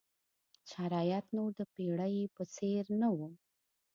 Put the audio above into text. شرایط نور د پېړۍ په څېر نه وو.